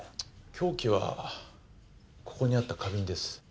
凶器はここにあった花瓶です